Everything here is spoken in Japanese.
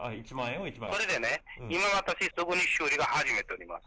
これでね、今、私すぐに修理始めています。